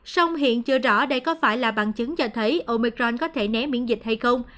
song hiện chưa rõ đây có phải là bằng chứng cho thấy omicron có thể né miễn dịch hay không